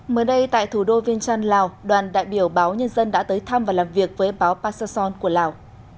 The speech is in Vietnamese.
mới đây tại thủ đô viên trăn lào đoàn đại biểu báo nhân dân đã tới thăm và làm việc với báo passason của lào